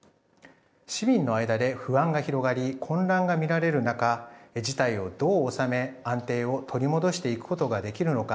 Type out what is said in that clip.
市民の間で不安が広がり混乱が見られる中事態をどう収め安定を取り戻していくことができるのか。